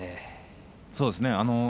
そうですね。